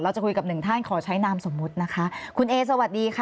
จะคุยกับหนึ่งท่านขอใช้นามสมมุตินะคะคุณเอสวัสดีค่ะ